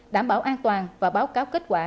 đảm bảo an toàn và báo cáo kết quả